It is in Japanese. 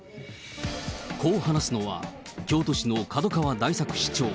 こう話すのは、京都市の門川大作市長。